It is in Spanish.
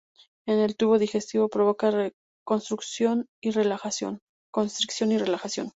En el tubo digestivo provoca constricción y relajación.